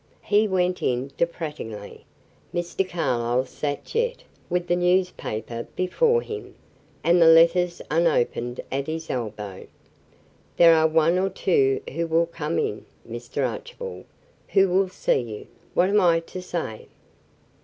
He went in, deprecatingly. Mr. Carlyle sat yet with the newspaper before him, and the letters unopened at his elbow. "There are one or two who will come in, Mr. Archibald who will see you; what am I to say?"